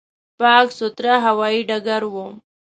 پاک، سوتره هوایي ډګر و.